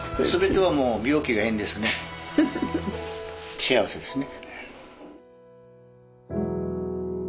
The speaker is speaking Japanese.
幸せですね。